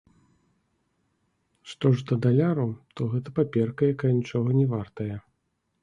Што ж да даляру, то гэта паперка, якая нічога не вартая.